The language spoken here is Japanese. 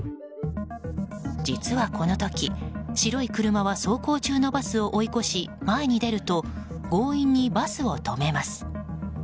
実はこの時、白い車は走行中のバスを追い越し前に出ると強引にバスを止めます。